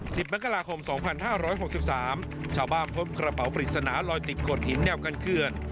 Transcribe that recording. มกราคมสองพันห้าร้อยหกสิบสามชาวบ้านพบกระเป๋าปริศนาลอยติดโขดหินแนวกันเขื่อน